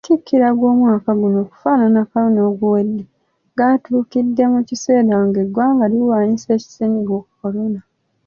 Amatikkira g'omwaka guno okufaananako n'oguwedde, gatuukidde mu kiseera ng'eggwanga lirwanyisa ssennyiga Kolona.